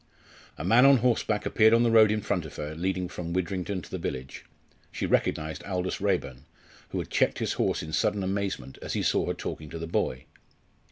A man on horseback appeared on the road in front of her leading from Widrington to the village. She recognised Aldous Raeburn, who had checked his horse in sudden amazement as he saw her talking to the boy.